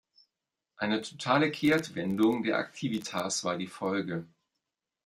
Eine totale Kehrtwendung der Aktivitas war die Folge.